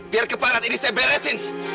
biar keparat ini saya beresin